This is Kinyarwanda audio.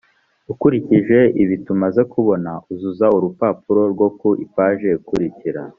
ukurikije ibi tumaze kubona uzuza urupapuro rwo ku ipaji ikurikira